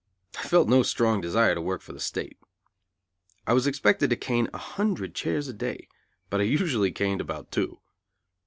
I felt no strong desire to work for the State. I was expected to cane a hundred chairs a day, but I usually caned about two.